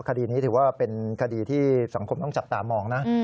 คดีนี้ถือว่าเป็นคดีที่สังคมต้องจับตามองนะ